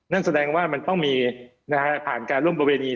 นั่นแสดงว่ามันต้องมีผ่านการร่วมประเวณี